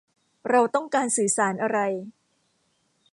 เราต้องการสื่อสารอะไร